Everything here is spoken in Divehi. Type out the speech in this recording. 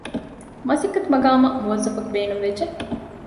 މަސައްކަތު މަޤާމަށް މުވައްޒަފަކު ބޭނުންވެއްޖެ